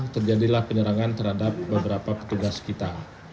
terjadilah penyerangan terhadap beberapa petugas kita